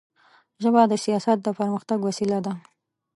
ژبه د سیاست د پرمختګ وسیله ده